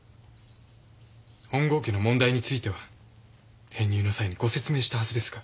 本郷家の問題については編入の際にご説明したはずですが。